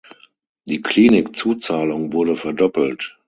Die Klinik-Zuzahlung wurde verdoppelt.